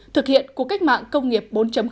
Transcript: thực hiện của cách mạng công nghiệp bốn